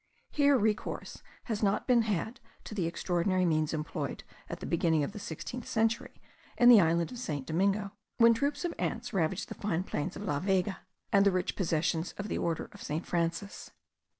Here recourse has not been had to the extraordinary means employed at the beginning of the sixteenth century in the island of St. Domingo, when troops of ants ravaged the fine plains of La Vega, and the rich possessions of the order of St. Francis.